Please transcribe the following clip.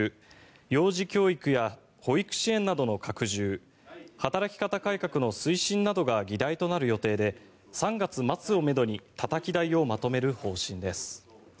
幼児教育や保育支援などの拡充働き方改革の推進などが議題となる予定で３月末をめどにたたき台をまとめる方針です。